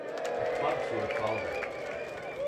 A club tour followed.